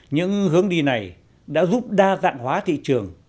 những hướng đi này đã giúp đa dạng hóa thị trường